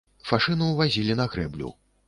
Фашыну вазілі на грэблю.